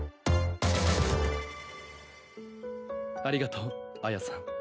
ありがとうアヤさん。